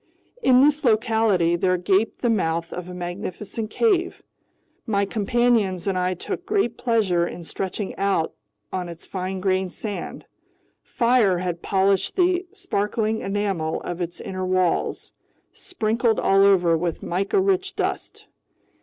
In this locality there gaped the mouth of a magnificent cave. My companions and I took great pleasure in stretching out on its fine grained sand. Fire had polished the sparkling enamel of its inner walls, sprinkled all over with mica rich dust.